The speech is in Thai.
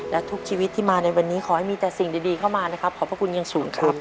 และทุกชีวิตที่มาในวันนี้ขอให้มีแต่สิ่งดีเข้ามานะครับขอบพระคุณอย่างสูงครับ